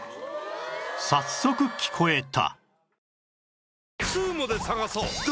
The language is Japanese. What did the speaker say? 早速聞こえた